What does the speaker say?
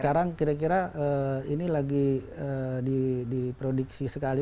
sekarang kira kira ini lagi diprediksi sekali